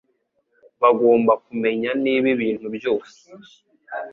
bagomba kumenya niba ibintu byose